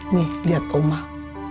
nih lihat omah